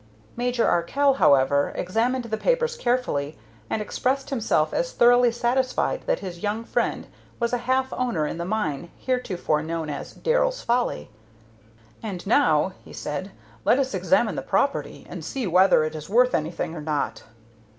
Major Arkell, however, examined the papers carefully, and expressed himself as thoroughly satisfied that his young friend was a half owner in the mine heretofore known as "Darrell's Folly." "And now," he said, "let us examine the property, and see whether it is worth anything or not."